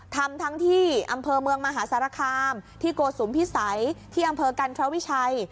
ทำทั้งที่อำเภอเมืองมหาสารคามที่โกสุมพิสัยที่อำเภอกันทรวิชัย